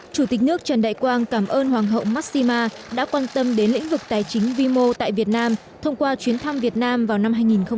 chủ tịch nước trần đại quang cảm ơn hoàng hậu mosima đã quan tâm đến lĩnh vực tài chính vi mô tại việt nam thông qua chuyến thăm việt nam vào năm hai nghìn hai mươi